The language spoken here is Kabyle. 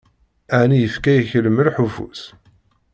Ɛni yefka-yak lmelḥ ufus?